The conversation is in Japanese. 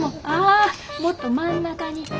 あもっと真ん中に。